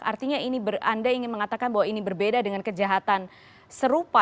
artinya anda ingin mengatakan bahwa ini berbeda dengan kejahatan serupa